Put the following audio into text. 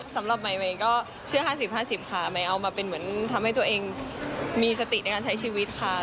สำหรับใหม่ใหม่ก็เชื่อ๕๐๕๐ค่ะใหม่เอามาเป็นเหมือนทำให้ตัวเองมีสติในการใช้ชีวิตค่ะ